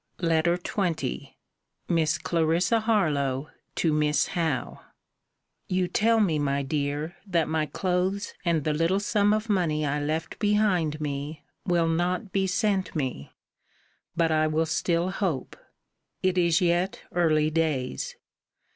LETTER XX MISS CLARISSA HARLOWE, TO MISS HOWE You tell me, my dear, that my clothes and the little sum of money I left behind me, will not be sent me. But I will still hope. It is yet early days.